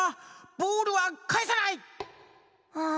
ボールはかえさない！